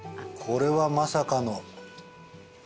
これはまさかの。